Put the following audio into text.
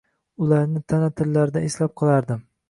Ularni tana shakllaridan eslab qolardim